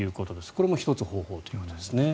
これも１つ、方法ということですね。